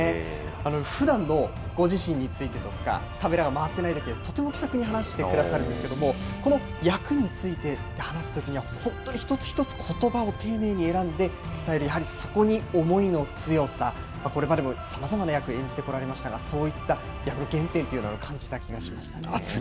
ふだんのご自身についてとか、カメラが回ってないときとか、とても気さくに話してくださるんですけれども、この役について話すときには、本当に一つ一つことばを丁寧に選んで伝える、やはりそこに思いの強さ、これまでもさまざまな役を演じてこられましたが、そういった原点というのを感じた気がしましたね。